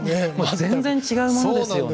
全然違うものですよね。